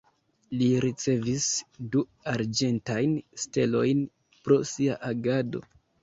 Li ricevis du Arĝentajn Stelojn pro sia agado.